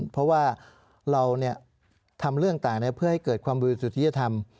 เพราะว่าเราทำเรื่องต่างเพื่อให้เกิดความบริสุทธิธรรม